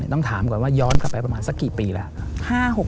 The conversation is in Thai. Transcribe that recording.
ต้องถามก่อนว่าย้อนกลับไปประมาณสักกี่ปีแล้ว